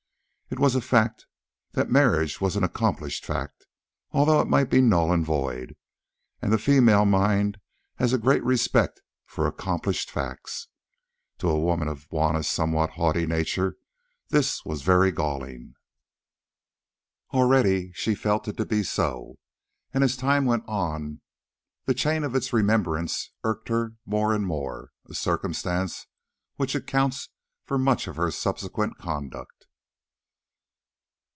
It was a fact—that marriage was an accomplished fact, although it might be null and void, and the female mind has a great respect for accomplished facts. To a woman of Juanna's somewhat haughty nature this was very galling. Already she felt it to be so, and as time went on the chain of its remembrance irked her more and more, a circumstance which accounts for much of her subsequent conduct.